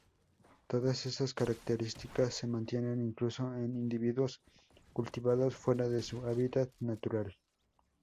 Todas estas características se mantienen incluso en individuos cultivados fuera de su hábitat natural.